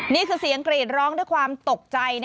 นี่คือเสียงกรีดร้องด้วยความตกใจ